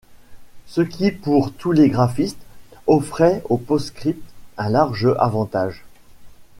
Ce qui pour tous les graphistes offrait au PostScript un large avantage.